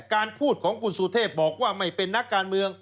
การพูดของคุณสุเทพบอกว่าไม่เป็นนักการเมือง